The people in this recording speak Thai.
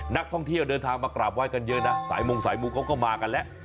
นักท่องเที่ยวเดินทางมากราบไห้กันเยอะนะสายมงสายมูเขาก็มากันแล้ว